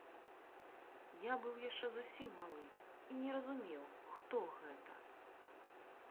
Я быў яшчэ зусім малы і не разумеў, хто гэта.